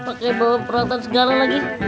pakai bawa peralatan segala lagi